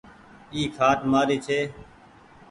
اي کآٽ مآري ڇي۔